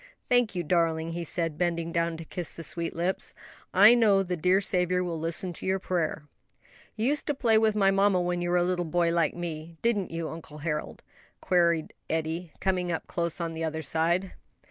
"Thank you, darling," he said, bending down to kiss the sweet lips. "I know the dear Saviour will listen to your prayer." "You used to play with my mamma when you were a little boy like me; didn't you, uncle Harold?" queried Eddie, coming up close on the other side.